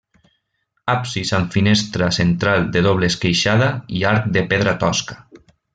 Absis amb finestra central de doble esqueixada i arc de pedra tosca.